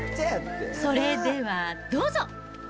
それではどうぞ。